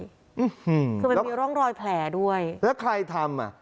อืมคือมันมีร่องรอยแผลด้วยแล้วใครทำอ่ะ